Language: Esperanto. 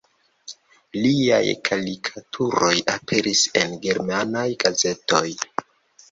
Liaj karikaturoj aperis en germanaj gazetoj.